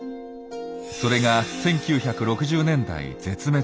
それが１９６０年代絶滅。